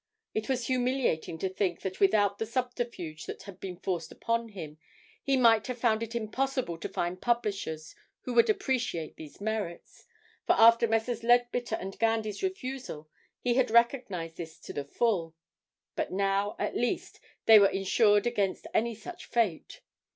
It was humiliating to think that without the subterfuge that had been forced upon him he might have found it impossible to find publishers who would appreciate these merits, for after Messrs. Leadbitter & Gandy's refusal he had recognised this to the full; but now, at least, they were insured against any such fate.